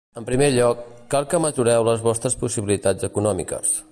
En primer lloc, cal que mesureu les vostres possibilitats econòmiques.